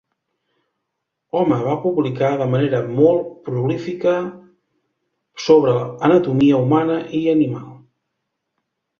Home va publicar de manera molt prolífica sobre anatomia humana i animal.